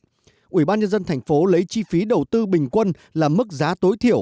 đồng thời ủy ban nhân dân tp lấy chi phí đầu tư bình quân là mức giá tối thiểu